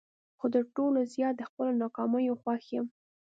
خو تر ټولو زیات د خپلو ناکامیو خوښ یم.